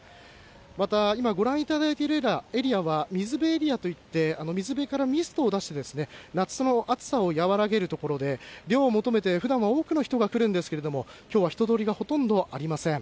また、今ご覧いただいているエリアは、水辺エリアといって、水辺からミストを出してですね、夏の暑さを和らげる所で、涼を求めて、ふだんは多くの人が来るんですけれども、きょうは人通りがほとんどありません。